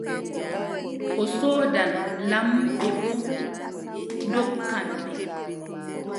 O soodan, lamɓe boo ndonkan ɓe.